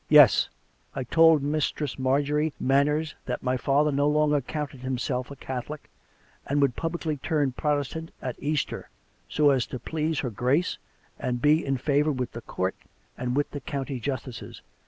Yes, I told Mistress Marjorie Manners that my father no longer counted himself a Catholic, and would publicly turn Prot estant at Easter, so as to please her Grace and be. in favour with the Court and with the county justices.